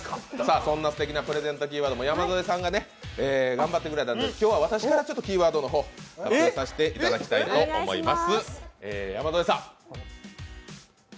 そんなすてきなプレゼントキーワードですが今日は山添さんが頑張ってくれたので今日は私からキーワードの方出させていただきたいと思います。